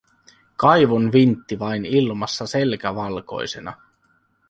Kaivonvintti vain ilmassa selkä valkoisena.